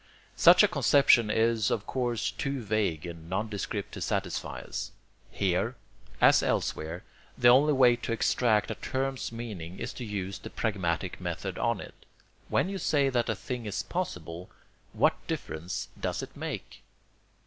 Such a conception is of course too vague and nondescript to satisfy us. Here, as elsewhere, the only way to extract a term's meaning is to use the pragmatic method on it. When you say that a thing is possible, what difference does it make?